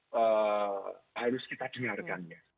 cukup harus kita dengarkannya